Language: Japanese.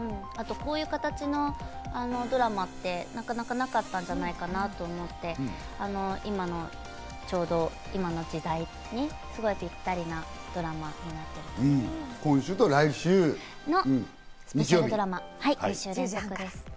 あとこういう形のドラマってなかなかなかったんじゃないかなって思って、今のちょうどこの時代にぴったりなドラマになっていると思います。